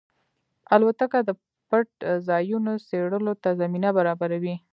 الوتکه د پټ ځایونو څېړلو ته زمینه برابروي.